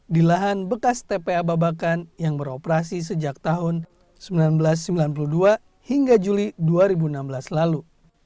di lahan bekas tpa babakan yang beroperasi sejak tahun seribu sembilan ratus sembilan puluh dua hingga juli dua ribu enam belas lalu